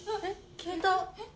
消えたえっ！？